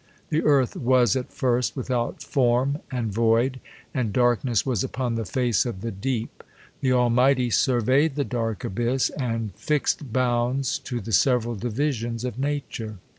The earth was, at first, " wiihout form, and void ; and darkness Vv^as upon the face of the deep." The Almighty ' surveyed the dark abyss ; and fixed bounds to the sev eral divisions of nature.